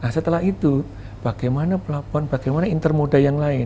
setelah itu bagaimana pelabuhan bagaimana intermoda yang lain